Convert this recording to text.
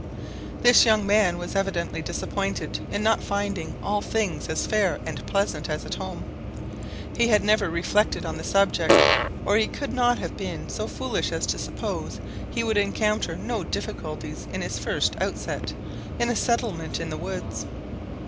This young man was evidently disappointed in not finding all things as fair and pleasant as at home. He had never reflected on the subject, or he could not have been so foolish as to suppose he would encounter no difficulties in his first outset, in a settlement in the woods.